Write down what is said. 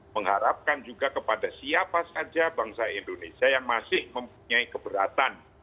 mengharapkan juga kepada siapa saja bangsa indonesia yang masih mempunyai keberatan